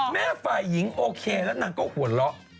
แม่ฝ่ายหญิงโอเคแล้วนางก็หวนล้อ